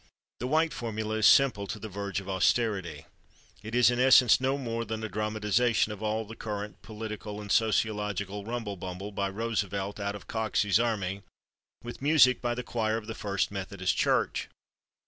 The White formula is simple to the verge of austerity. It is, in essence, no more than a dramatization of all the current political and sociological rumble bumble, by Roosevelt out of Coxey's Army, with music by the choir of the First Methodist Church.